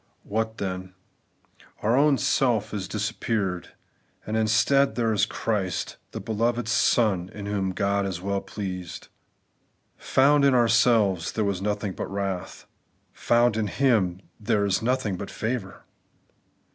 What then ? Our own 'self' has disappeared; and instead there is Christ, the beloved Son in whom God is weU pleased. Found in ourselves, there was nothing but wrath ; found in Him, there is nothing but favour.